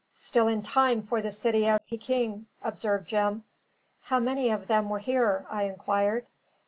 "Still in time for the City of Pekin," observed Jim. "How many of them were here?" I inquired.